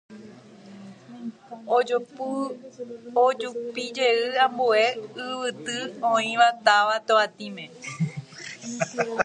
Ojupijey ambue yvyty oĩva táva Tovatĩme.